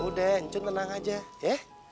udah ncun tenang aja ya